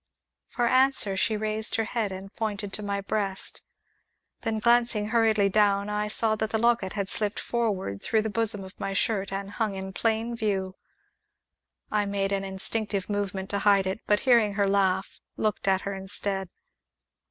For answer, she raised her hand and pointed to my breast. Then, glancing hurriedly down, I saw that the locket had slipped forward through the bosom of my shirt, and hung in plain view. I made an instinctive movement to hide it, but, hearing her laugh, looked at her instead.